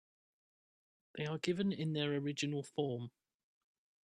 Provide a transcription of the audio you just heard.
They are given in their original form.